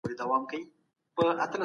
تاسو به د ژوند له هري شېبې درس اخلئ.